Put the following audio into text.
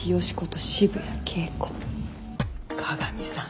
加賀美さん